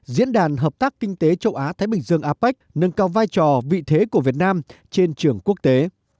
diễn đàn hợp tác kinh tế châu á thái bình dương apec nâng cao vai trò vị thế của việt nam trên trường quốc tế